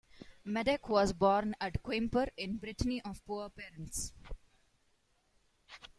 Madec was born at Quimper in Brittany of poor parents.